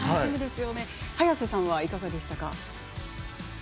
早瀬さんはいかがでしたか。